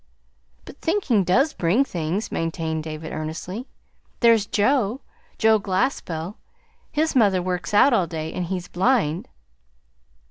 "But thinking does bring things," maintained David earnestly. "There's Joe Joe Glaspell. His mother works out all day; and he's blind."